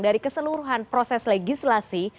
dari keseluruhan proses legislasi